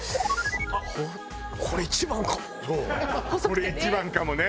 「これ一番かも」ね。